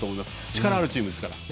力あるチームですから。